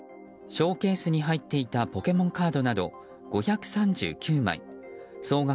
ショーケースに入っていたポケモンカードなど５３９枚総額